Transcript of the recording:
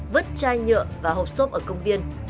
vứt chai nhựa và hộp xốp ở công viên